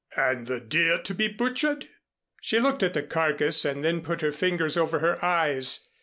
"And the deer to be butchered?" She looked at the carcass and then put her fingers over her eyes.